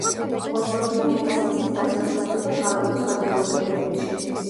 მოღვაწეობდა რენესანსის დასასრულსა და ბაროკოს ადრეულ პერიოდში.